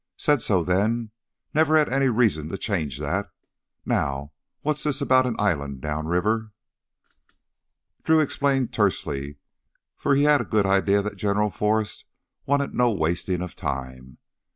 Said so then, never had any reason to change that. Now what's this about an island downriver?" Drew explained tersely, for he had a good idea that General Forrest wanted no wasting of time.